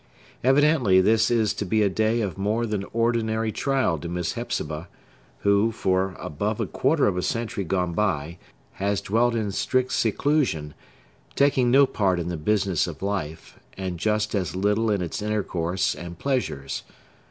Evidently, this is to be a day of more than ordinary trial to Miss Hepzibah, who, for above a quarter of a century gone by, has dwelt in strict seclusion, taking no part in the business of life, and just as little in its intercourse and pleasures.